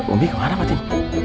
umi kemana fatin